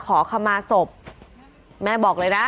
ก็เป็นสถานที่ตั้งมาเพลงกุศลศพให้กับน้องหยอดนะคะ